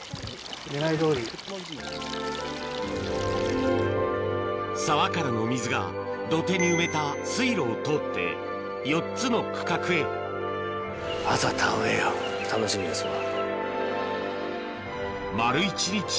・狙いどおり・沢からの水が土手に埋めた水路を通って４つの区画へあとは田植えや楽しみですわ。